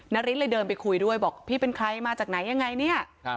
นาริสเลยเดินไปคุยด้วยบอกพี่เป็นใครมาจากไหนยังไงเนี่ย